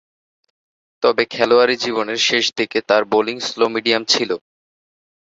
তবে খেলোয়াড়ী জীবনের শেষদিকে তার বোলিং স্লো-মিডিয়াম ছিল।